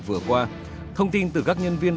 vừa qua thông tin từ các nhân viên